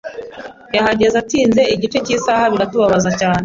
Yahageze atinze igice cyisaha, biratubabaza cyane.